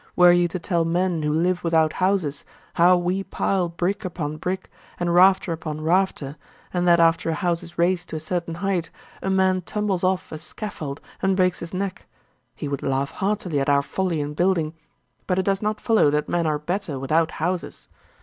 Were you to tell men who live without houses, how we pile brick upon brick, and rafter upon rafter, and that after a house is raised to a certain height, a man tumbles off a scaffold, and breaks his neck; he would laugh heartily at our folly in building; but it does not follow that men are better without houses.